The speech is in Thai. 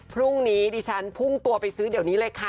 พรุ่งนี้ดิฉันพุ่งตัวไปซื้อเดี๋ยวนี้เลยค่ะ